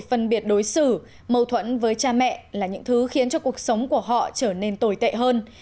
phân biệt đối xử mâu thuẫn với cha mẹ là những thứ khiến cho cuộc sống của họ trở nên tồi tệ hơn